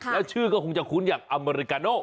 แล้วชื่อก็คงจะคุ้นอย่างอเมริกาโน